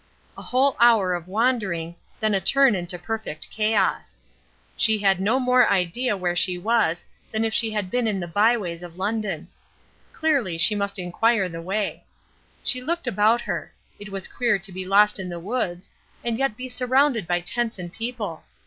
A whole hour of wandering, then a turn into perfect chaos. She had no more idea where she was than if she had been in the by ways of London. Clearly she must inquire the way. She looked about her. It was queer to be lost in the woods, and yet be surrounded by tents and people.